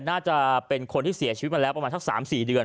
น่าจะเป็นคนที่เสียชีวิตมาแล้วประมาณสัก๓๔เดือน